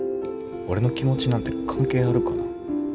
俺の気持ちなんて関係あるかな？